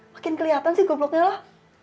makin kelihatan sih gobloknya loh